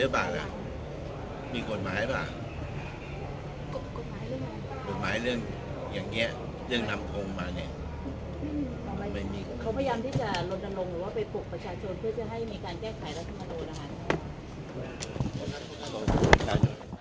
เขาพยายามที่จะลนลงหรือว่าไปปลุกประชาชนเพื่อจะให้มีการแก้ไขรัฐมนูญนะคะ